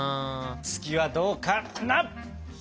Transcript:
「月」はどうかな！